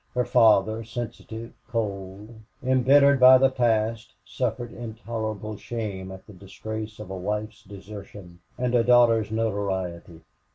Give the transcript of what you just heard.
Her father, sensitive, cold, embittered by the past, suffered intolerable shame at the disgrace of a wife's desertion and a daughter's notoriety.